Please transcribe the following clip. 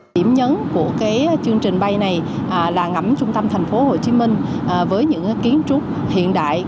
điểm nhấn của cái chương trình bay này là ngắm trung tâm thành phố hồ chí minh với những kiến trúc hiện đại